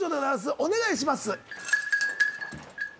・お願いします。